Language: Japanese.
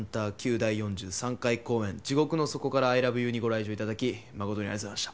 第４３回公演『地獄の底からアイラブユー』にご来場いただき誠にありがとうございました。